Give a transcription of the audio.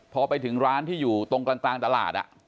พอไปถึงร้านที่อยู่ตรงกลางตลาด